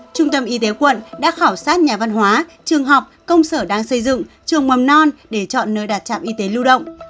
trung tâm y tế quận đã khảo sát nhà văn hóa trường học công sở đang xây dựng trường mầm non để chọn nơi đặt trạm y tế lưu động